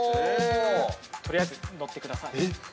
◆とりあえず、乗ってください。